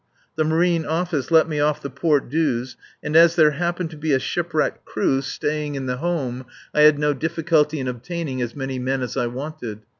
The Marine Office let me off the port dues, and as there happened to be a shipwrecked crew staying in the Home I had no difficulty in obtaining as many men as I wanted.